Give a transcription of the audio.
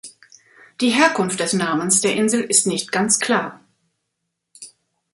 Die Herkunft des Namens der Insel ist nicht ganz klar.